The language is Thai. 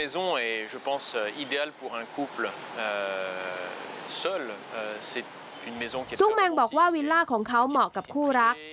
ซึ่งแมงบอกว่าวิลล่าของเขาเหมาะกับคู่รัก